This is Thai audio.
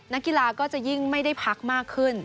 นักกีฬาก็จะยิ่งไม่ได้พักมากขึ้น